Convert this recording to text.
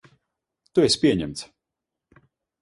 Tu esi pieņemts.